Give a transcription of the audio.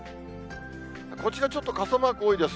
こちら、ちょっと傘マーク多いです。